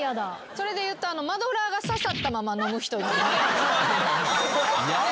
それでいうとマドラーが刺さったまま飲む人。